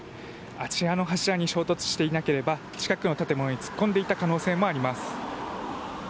あちらの柱に衝突していなければ近くの建物に突っ込んでいた可能性もあります。